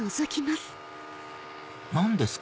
何ですか？